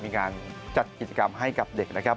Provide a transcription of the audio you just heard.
มีการจัดกิจกรรมให้กับเด็กนะครับ